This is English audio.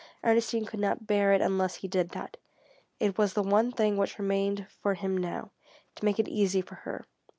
Ernestine could not bear it unless he did that. It was the one thing which remained for him now to make it easy for her.